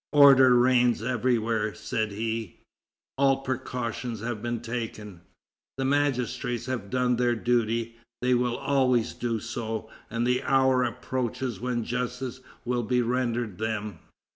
"Order reigns everywhere," said he; "all precautions have been taken. The magistrates have done their duty; they will always do so, and the hour approaches when justice will be rendered them."